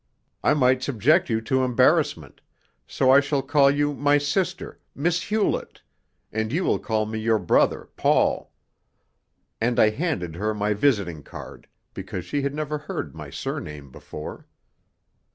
I might subject you to embarrassment so I shall call you my sister, Miss Hewlett, and you will call me your brother Paul." And I handed her my visiting card, because she had never heard my surname before.